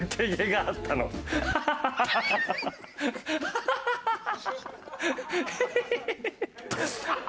ハハハハ！